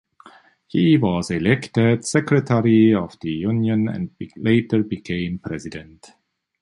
He was elected secretary of the union and later became President.